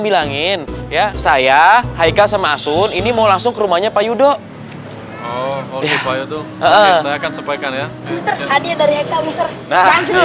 bilangin ya saya haika sama asun ini mau langsung rumahnya pak yudo saya akan sebaikan ya